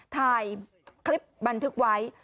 ถ่ายคลิปบันทึกไว้